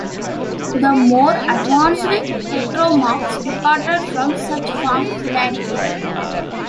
The more advanced heteromorphs departed from such forms radically.